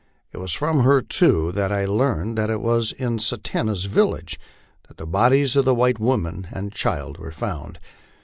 It was from her, too, that I learned that it was in Satanta's village that the bodies of the white woman and child were found.